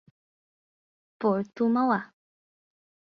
Porto Mauá